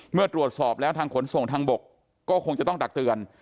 เมื่อตรวจสอบแล้วทางขนส่งทางบกก็คงจะต้องตักเตือน